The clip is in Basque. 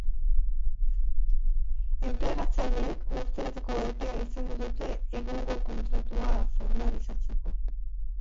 Enplegatzaileek urtebeteko epea izango dute egungo kontratua formalizatzeko.